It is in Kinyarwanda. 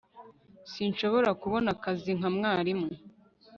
sinshobora kubona akazi nka mwarimu